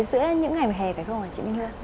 giữa những ngày mềm hè phải không hả chị minh lương